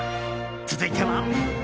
続いては。